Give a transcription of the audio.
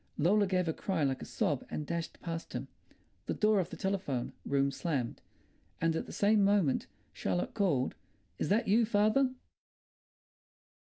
Lola gave a cry like a sob and dashed past him. The door of the telephone room slammed, and at the same moment Charlotte called, "Is that you, father?"